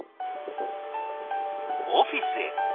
オフィスへ。